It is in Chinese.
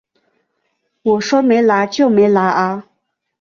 我说没拿就没拿啊